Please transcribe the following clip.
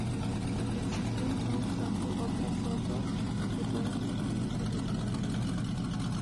Existen, no obstante, otros sotos que pueden distinguirse regionalmente.